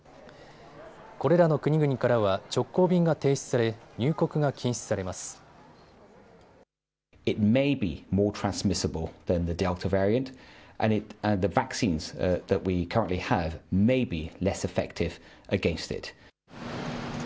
これらの国々からは直行便が停止され入国が禁止されます。